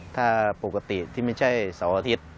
ถ้าปกติที่ไม่ใช่เสาร์อาทิตย์